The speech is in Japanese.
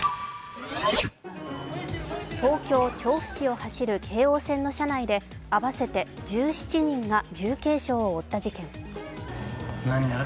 東京・調布市を走る京王線の車内で合わせて１７人が重軽傷を負った事件。